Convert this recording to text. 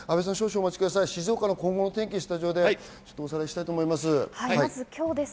静岡の今後の天気をスタジオでおさらいします。